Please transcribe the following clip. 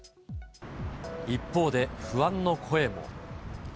一方で、不安の声も。